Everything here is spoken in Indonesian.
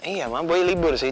iya ma boy libur sih